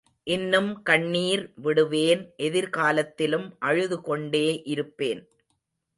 இன்னும் கண்ணீர் விடுவேன் எதிர்காலத்திலும் அழுது கொண்டே இருப்பேன்.